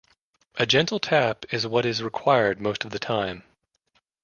A gentle tap is what is required most of the time.